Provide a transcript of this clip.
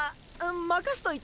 任しといて。